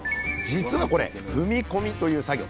実はこれ「踏み込み」という作業。